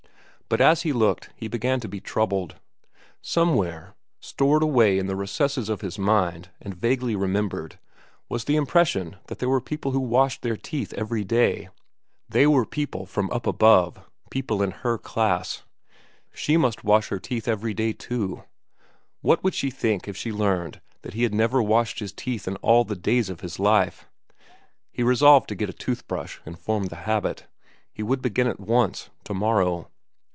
But as he looked, he began to be troubled. Somewhere, stored away in the recesses of his mind and vaguely remembered, was the impression that there were people who washed their teeth every day. They were the people from up above—people in her class. She must wash her teeth every day, too. What would she think if she learned that he had never washed his teeth in all the days of his life? He resolved to get a tooth brush and form the habit. He would begin at once, to morrow.